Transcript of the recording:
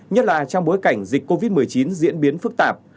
nhất là trong bối cảnh dịch covid một mươi chín diễn biến phức tạp